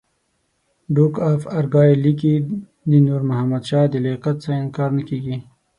ډوک اف ارګایل لیکي د نور محمد شاه د لیاقت څخه انکار نه کېږي.